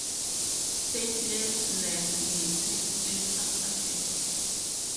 Statelessness may take place after birth.